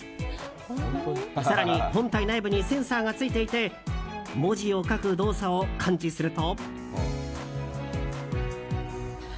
更に、本体内部にセンサーがついていて文字を書く動作を感知すると。